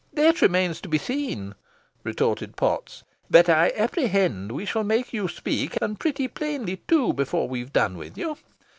"That remains to be seen," retorted Potts, "but I apprehend we shall make you speak, and pretty plainly too, before we've done with you.